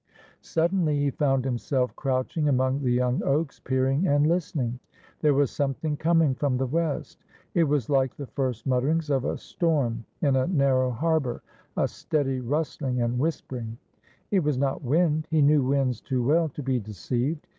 Suddenly he found himself crouching among the young oaks, peering and listening. There was something com ing from the west. It was like the first mutterings of a storm in a narrow harbor, a steady rustling and whisper ing. It was not wind; he knew w^nds too well to be de ceived.